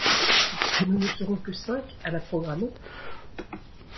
Nous ne serons que cinq à la programmer ?